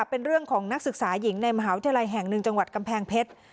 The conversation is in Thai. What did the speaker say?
เป็นเรื่องของนักศึกษาหญิงในมหาวิทยาลัยแห่งหนึ่งจังหวัดกำแพงเพชร